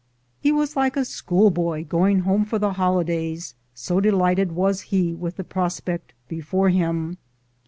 He was like a schoolboy going home for the holidays, so delighted was he with the prospect before him.